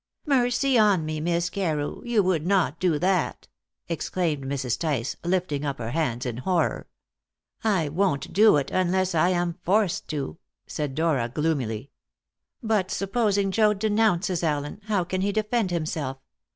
"Mercy on me, Miss Carew! You would not do that!" exclaimed Mrs. Tice, lifting up her hands in horror. "I won't do it unless I am forced to," said Dora gloomily. "But supposing Joad denounces Allen, how can he defend himself?